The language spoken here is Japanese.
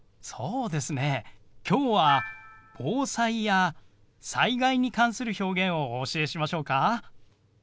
そうですね今日は防災や災害に関する表現をお教えしましょうか？